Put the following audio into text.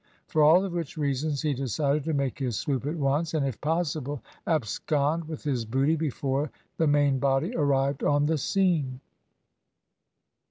For all of which reasons he decided to make his swoop at once, and if possible abscond with his booty before the main body arrived on the scene.